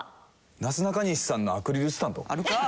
なすなかにしさんのアクリルスタンド。